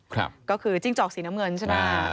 ก็คือจริงจอกศรีน้ำเมินใช่มะ